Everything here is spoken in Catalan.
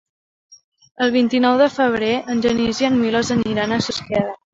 El vint-i-nou de febrer en Genís i en Milos aniran a Susqueda.